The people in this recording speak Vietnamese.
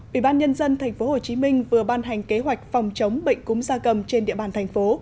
ủy ban nhân dân tp hcm vừa ban hành kế hoạch phòng chống bệnh cúm da cầm trên địa bàn thành phố